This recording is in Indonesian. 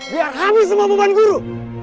biar hamis semua beban guru